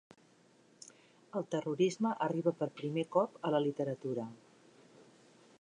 El terrorisme arriba per primer cop a la literatura